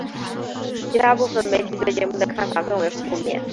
其它部分媒体对节目的看法更为负面。